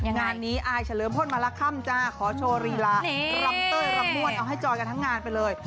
งานนี้อายเฉลิมพลมาละค่ำจ้าขอโชว์รีลารำเต้ยรำม่วนเอาให้จอยกันทั้งงานไปเลย